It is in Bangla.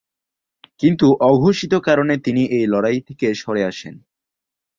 কিন্তু অঘোষিত কারণে তিনি এই লড়াই থেকে সরে আসেন।